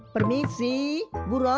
permisi buruan dong